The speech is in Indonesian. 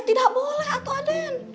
tidak boleh aduh aden